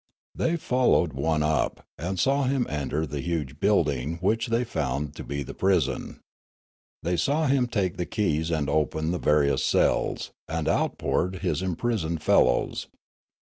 They fol lowed one up, and saw him enter the huge building, which they found to be the prison. They saw him take the ke5'S and open the various cells ; and out poured his imprisoned fellows.